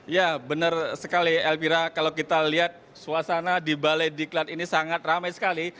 ya benar sekali elvira kalau kita lihat suasana di balai diklat ini sangat ramai sekali